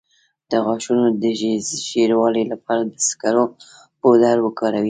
د غاښونو د ژیړوالي لپاره د سکرو پوډر وکاروئ